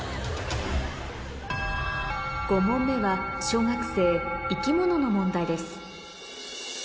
５問目は小学生生き物の問題です